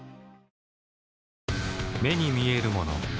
目に見えるもの